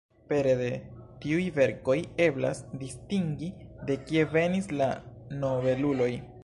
Pere de tiuj verkoj eblas distingi de kie venis la nobeluloj.